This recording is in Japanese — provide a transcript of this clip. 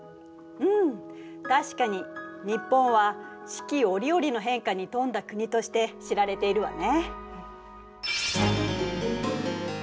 うん確かに日本は四季折々の変化に富んだ国として知られているわね。